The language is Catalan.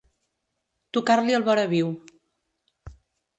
Tocar-li el voraviu.